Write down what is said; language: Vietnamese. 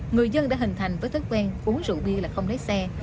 người dân đã hình thành với thói quen uống rượu bia là không lấy xe